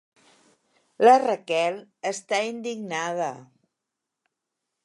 La Raquel està indignada.